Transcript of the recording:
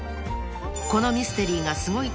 ［『このミステリーがすごい！』